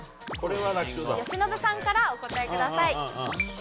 由伸さんからお答えください。